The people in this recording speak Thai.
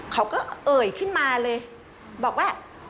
เขาก็เงื่อนขึ้นมาเลยเขาบอกว่า